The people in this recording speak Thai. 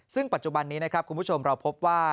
ซึ่งปัจจุบันนี้นะครับคุณผู้ชมเราพบว่า